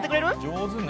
上手ね。